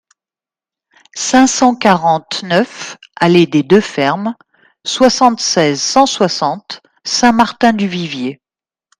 cinq cent quarante-neuf allée des Deux Fermes, soixante-seize, cent soixante, Saint-Martin-du-Vivier